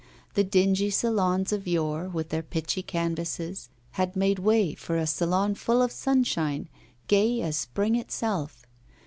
The dingy Salons of yore, with their pitchy canvases, had made way for a Salon full of sunshine, gay as spring itself.